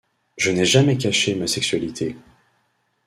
Je n'ai jamais caché ma sexualité.